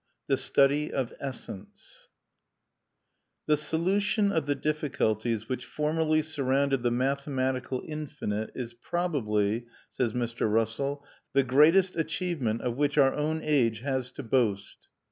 THE STUDY OF ESSENCE "The solution of the difficulties which formerly surrounded the mathematical infinite is probably," says Mr. Russell, "the greatest achievement of which our own age has to boast....